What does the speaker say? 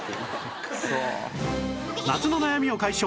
夏の悩みを解消